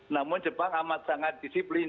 namun jepang amat sangat disiplin